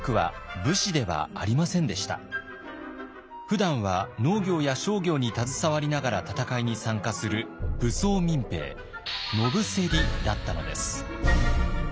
ふだんは農業や商業に携わりながら戦いに参加する武装民兵野伏だったのです。